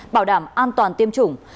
bảo đảm an toàn tiêm chủng